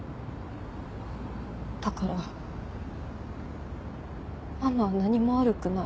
だからママは何も悪くない。